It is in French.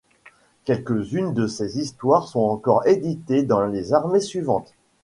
Quelques-unes de ses histoires sont encore éditées dans les années suivantes.